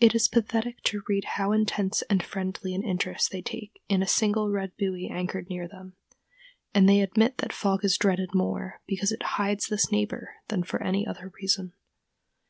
It is pathetic to read how intense and friendly an interest they take in a single red buoy anchored near them; and they admit that fog is dreaded more because it hides this neighbor than for any other reason.